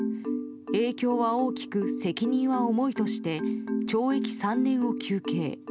影響は大きく責任は重いとして懲役３年を求刑。